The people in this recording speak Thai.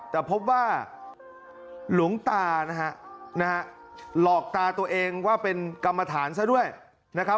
แต่พบว่าหลวงตานะฮะหลอกตาตัวเองว่าเป็นกรรมฐานซะด้วยนะครับ